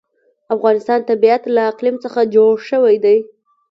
د افغانستان طبیعت له اقلیم څخه جوړ شوی دی.